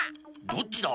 どっちだ？